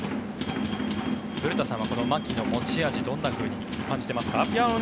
古田さんは牧の持ち味どんなふうに感じてますか？